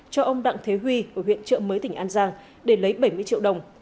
cho ông đặng thế huy ở huyện trợ mới tỉnh an giang để lấy bảy mươi triệu đồng